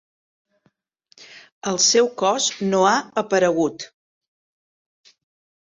El seu cos no ha aparegut.